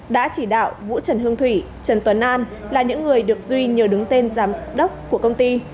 đã chỉ đạo vũ trần hương thủy trần tuấn an là những người được duy nhờ đứng tên giám đốc của công ty